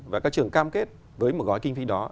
và các trường cam kết với một gói kinh phí đó